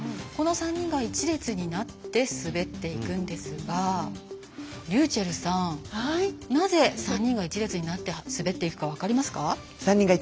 この３人が一列になって滑っていくんですがりゅうちぇるさん、なぜ３人が一列になって滑っていくか分かりますか？